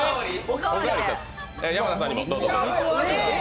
山名さんにもどうぞ。